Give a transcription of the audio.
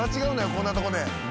こんなとこで。